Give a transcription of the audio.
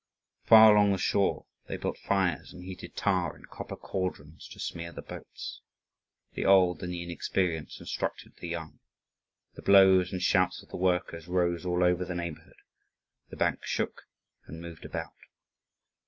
Far along the shore they built fires and heated tar in copper cauldrons to smear the boats. The old and the experienced instructed the young. The blows and shouts of the workers rose all over the neighbourhood; the bank shook and moved about.